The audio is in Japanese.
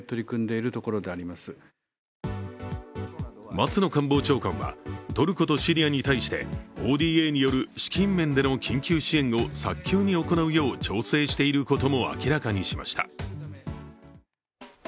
松野官房長官はトルコとシリアに対してＯＤＡによる資金面での緊急支援を早急に行うよう調整していることも明らかにしました。